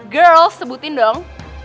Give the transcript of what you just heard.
girls sebutin dong